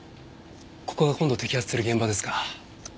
ここが今度摘発する現場ですか？